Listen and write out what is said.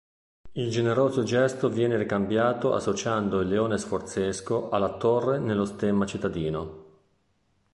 Il generoso gesto viene ricambiato associando il leone sforzesco alla torre nello stemma cittadino.